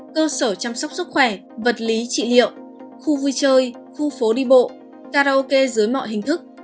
cơ sở chăm sóc sức khỏe vật lý trị liệu khu vui chơi khu phố đi bộ karaoke dưới mọi hình thức